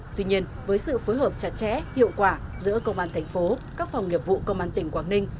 tuy nhiên với sự phối hợp chặt chẽ hiệu quả giữa công an thành phố các phòng nghiệp vụ công an tỉnh quảng ninh